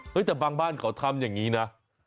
แต่บางบ้านเขาทำอย่างนี้นะ